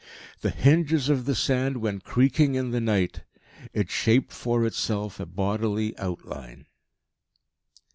The hinges of the Sand went creaking in the night. It shaped for itself a bodily outline.